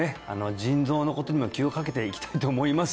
腎臓のことにも気をかけていきたいと思います